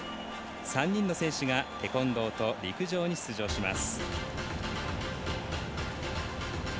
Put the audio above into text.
３人の選手がテコンドーと陸上に出場します。